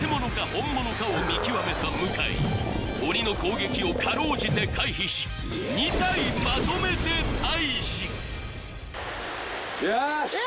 本物かを見極めた向井鬼の攻撃をかろうじて回避し２体まとめてタイジよーし